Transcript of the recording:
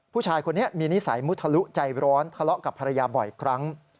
ผู้ชายคนนี้มีนิสัยมุทะลุใจร้อนทะเลาะกับภรรยาบ่อยครั้ง